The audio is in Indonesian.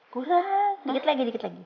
kurang sedikit lagi